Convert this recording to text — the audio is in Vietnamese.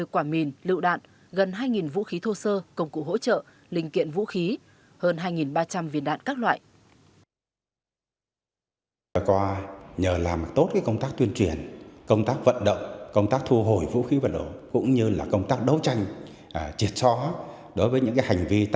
hai mươi quả mìn lựu đạn gần hai vũ khí thô sơ công cụ hỗ trợ linh kiện vũ khí hơn hai ba trăm linh viên đạn các loại